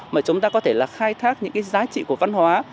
mà chúng ta có thể khai thác những giá trị của văn hóa